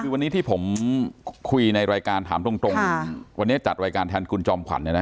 คือวันนี้ที่ผมคุยในรายการถามตรงวันนี้จัดรายการแทนคุณจอมขวัญ